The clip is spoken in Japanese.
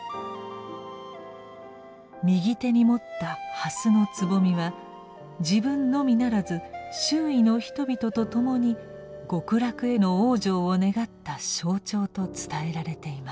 右手に持ったはすのつぼみは自分のみならず周囲の人々と共に極楽への往生を願った象徴と伝えられています。